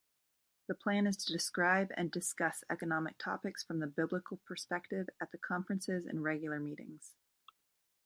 The plan is to describe and discuss economic topics from a biblical perspective at the conferences and regular meetings.